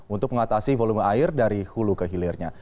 untuk mengatasi volume air dari hulu ke hilirnya